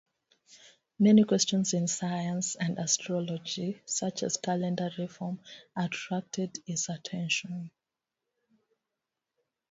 Many questions in science and astrology, such as calendar reform, attracted his attention.